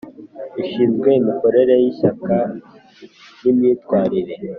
ishinzwe imikorere y Ishyaka n imyitwarire